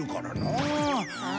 ああ。